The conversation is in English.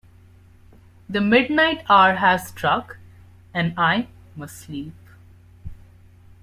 The midnight hour has struck, and I must sleep.